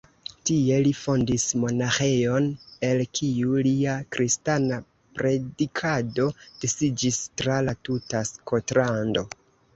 Tie li fondis monaĥejon, el kiu lia kristana predikado disiĝis tra la tuta Skotlando.